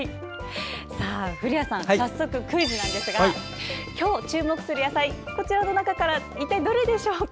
古谷さん、早速クイズなんですが今日、注目する野菜この中で一体どれでしょうか？